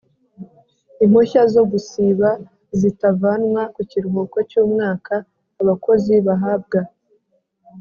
Impushya zo gusiba zitavanwa ku kiruhuko cyumwaka abakozi bahabwa